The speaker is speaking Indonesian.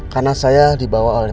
karena saya dibawa oleh